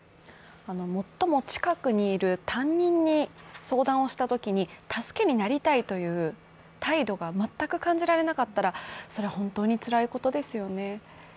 最も近くにある担任に相談をしたときに、助けになりたいという態度が全く感じられなかったらそれは本当につらいことですよね。